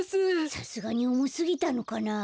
さすがにおもすぎたのかな。